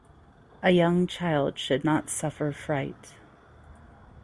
A young child should not suffer fright.